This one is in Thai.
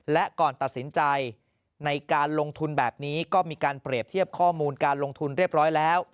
และก่อนตัดสินใจในการลงทุนแบบนี้ก็มีการเปรียบเทียบข้อมูลการลงทุนเรียบร้อยแล้ว